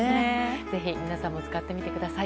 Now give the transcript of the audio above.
ぜひ皆さんも使ってみてください。